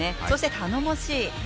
そして、頼もしい。